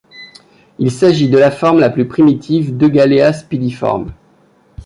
Il s'agit de la forme la plus primitive d'Eugaleaspidiformes.